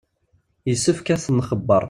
Yessefk ad ten-nxebbeṛ.